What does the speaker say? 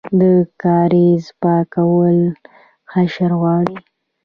د کاریز پاکول حشر غواړي؟